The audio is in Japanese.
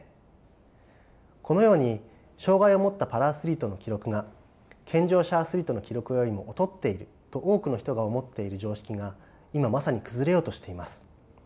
このように障害を持ったパラアスリートの記録が健常者アスリートの記録よりも劣っていると多くの人が思っている常識が今まさに崩れようとしています。